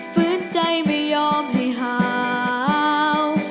ฟื้นใจไม่ยอมให้หาว